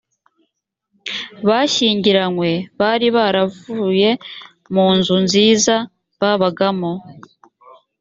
bashyingiranywe bari baravuye mu nzu nziza babagamo